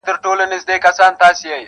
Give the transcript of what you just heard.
یا بس گټه به راوړې په شان د وروره.